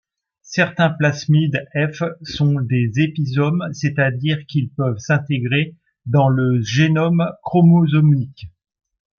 Certains plasmides F sont des épisomes, c'est-à-dire qu'ils peuvent s'intégrer dans le génome chromosomique.